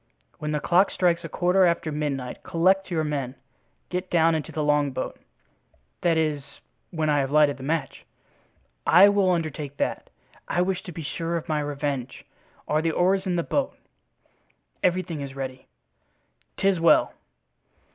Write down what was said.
When the clock strikes a quarter after midnight collect your men. Get down into the longboat." "That is, when I have lighted the match?" "I will undertake that. I wish to be sure of my revenge. Are the oars in the boat?" "Everything is ready." "'Tis well."